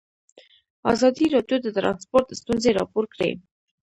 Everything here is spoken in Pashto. ازادي راډیو د ترانسپورټ ستونزې راپور کړي.